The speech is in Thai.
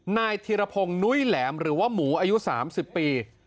นายธีรพงศ์นุ้ยแหลมหรือว่าหมูอายุ๓๐ปี